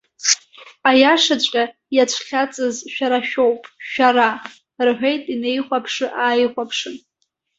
Аиашаҵәҟьа иацәхьаҵыз шәара шәоуп, шәара!- рҳәеит инеихәаԥшы-ааихәаԥшын.